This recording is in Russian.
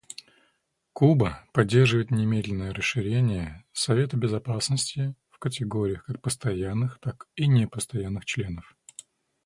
Куба поддерживает немедленное расширение Совета Безопасности в категориях как постоянных, так и непостоянных членов.